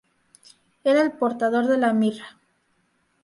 Era el portador de la mirra.